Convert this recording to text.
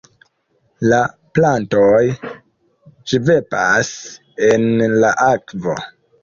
La plantoj ŝvebas en la akvo.